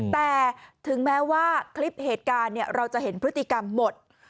แต่ถึงแม้ว่าคลิปเหตุการณ์เราจะเห็นพฤติกรรมหมด